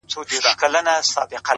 نن دي دواړي سترگي سرې په خاموشۍ كـي ـ